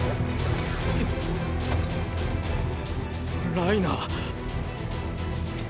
ライナー？